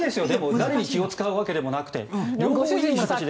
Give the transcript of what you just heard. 誰に気を使うわけでもなくて。